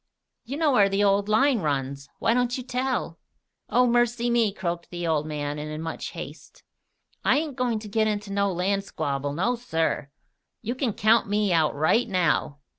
You know where the old line runs. Why don't you tell?" "Oh, mercy me!" croaked the old man, and in much haste. "I ain't goin' to git into no land squabble, no, sir! You kin count me out right now!"